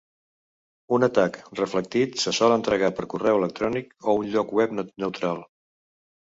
Un atac reflectit se sol entregar per correu electrònic o un lloc web neutral.